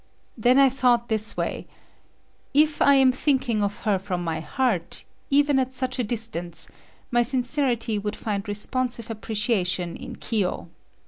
Then I thought this way; If I am thinking of her from my heart, even at such a distance, my sincerity would find responsive appreciation in Kiyo.